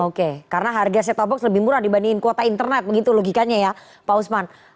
oke karena harga set top box lebih murah dibandingin kuota internet begitu logikanya ya pak usman